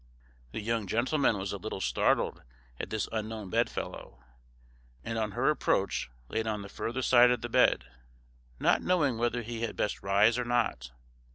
The young gentleman was a little startled at this unknown bedfellow, and on her approach laid on the further side of the bed, not knowing whether he had best rise or not.